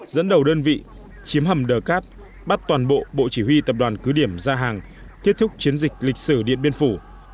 dẫn đầu đơn vị chiếm hầm đờ cát bắt toàn bộ bộ chỉ huy tập đoàn cứ điểm ra hàng kết thúc chiến dịch lịch sử điện biên phủ